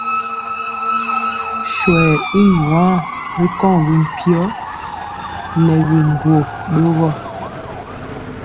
Swɛɛ i nwaa ri kɔŋ mpiyɔ nɛ biŋgwo ɗogɔ.